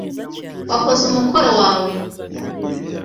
wakoze umukoro wawe